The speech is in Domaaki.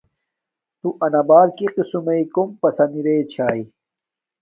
تو انا بار کی قسم کوم پسن ارے چھاݵ